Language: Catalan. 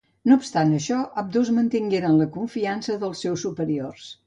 No obstant això, ambdós mantingueren la confiança dels seus superiors.